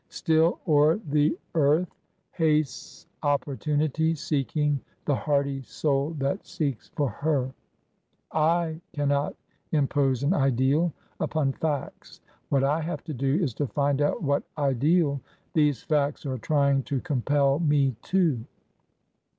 * Still <fer the earth hastes opportunity Seeking the hardy soul that seeks for her J '/cannot impose an Ideal upon facts. What I have to do is to find out what Ideal these iacts are trying to com pel me to.'